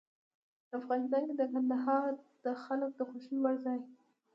افغانستان کې کندهار د خلکو د خوښې وړ ځای دی.